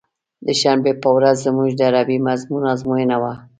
د شنبې په ورځ زموږ د عربي مضمون ازموينه وه.